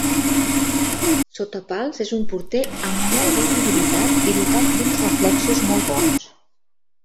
Sota pals és un porter amb molt bona agilitat i dotat d'uns reflexos molt bons.